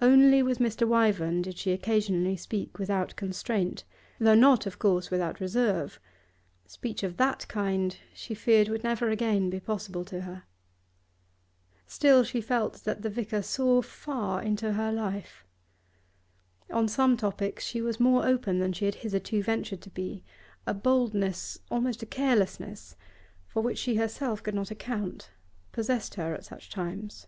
Only with Mr. Wyvern did she occasionally speak without constraint, though not of course without reserve; speech of that kind she feared would never again be possible to her. Still she felt that the vicar saw far into her life. On some topics she was more open than she had hitherto ventured to be; a boldness, almost a carelessness, for which she herself could not account, possessed her at such times.